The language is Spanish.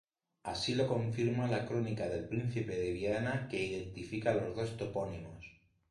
Así lo confirma la crónica del Príncipe de Viana que identifica los dos topónimos.